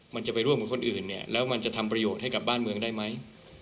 มันจะไปร่วมกับคนอื่นเนี่ยแล้วมันจะทำประโยชน์ให้กับบ้านเมืองได้ไหม